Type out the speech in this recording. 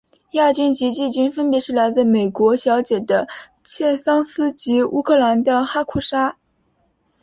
亚军及季军分别是来自美国小姐的桑切斯及乌克兰的哈库沙。